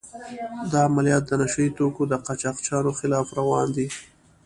دا عملیات د نشه يي توکو د قاچاقچیانو خلاف روان دي.